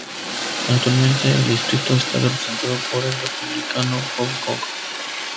Actualmente el distrito está representado por el Republicano Paul Cook.